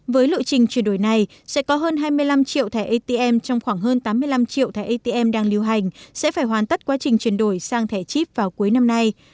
với lộ trình chuyển đổi này sẽ có hơn hai mươi năm triệu thẻ atm trong khoảng hơn tám mươi năm triệu thẻ atm đang lưu hành sẽ phải hoàn tất quá trình chuyển đổi sang thẻ chip vào cuối năm nay